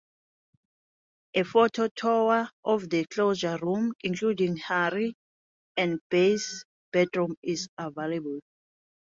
A photo tour of the closed rooms, including Harry and Bess's bedroom, is available.